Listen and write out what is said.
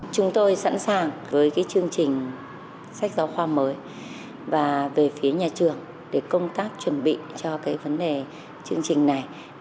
chúng tôi sẵn sàng với chương trình sách giáo khoa mới và về phía nhà trường để công tác chuẩn bị cho cái vấn đề chương trình này